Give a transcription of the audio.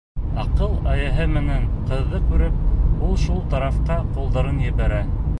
Аҡыл эйәһе менән ҡыҙҙы күреп, ул шул тарафҡа ҡолдарын ебәрә.